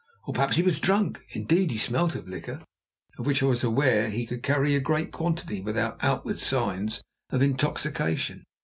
Or perhaps he was drunk; indeed, he smelt of liquor, of which I was aware he could carry a great quantity without outward signs of intoxication.